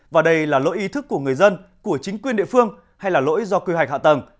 và đây là lỗi ý thức của người dân của chính quyền địa phương hay là lỗi do quy hoạch hạ tầng